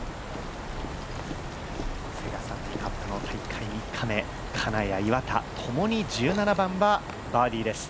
セガサミーカップの大会３日目金谷、岩田、ともに１７番はバーディーです。